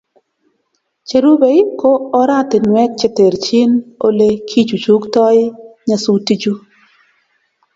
Cherubei ko oratinwek che terchin Ole kichuchuktoi nyasutichu